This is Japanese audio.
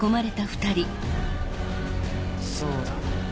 そうだ。